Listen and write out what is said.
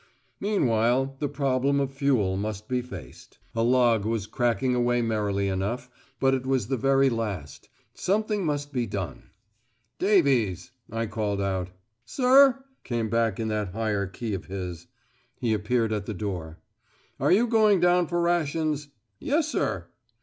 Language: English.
Meanwhile, the problem of fuel must be faced. A log was crackling away merrily enough, but it was the very last. Something must be done. "Davies," I called out. "Sir?" came back in that higher key of his. He appeared at the door. "Are you going down for rations?" "Yes, sir."